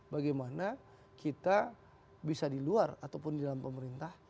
bagaimana kita bisa di luar ataupun di dalam pemerintah